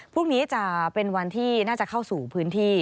พรุ่งนี้จะเป็นวันที่น่าจะเข้าสู่พื้นที่